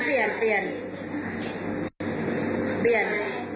ก็ไม่อยากให้พี่คะแนน